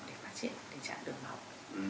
để phát triển tình trạng đường máu